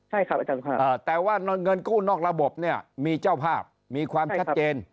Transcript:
ใช่ครับแต่ว่ามันเงินกู้นอกระบบมีเจ้าภาพมีความทักเจน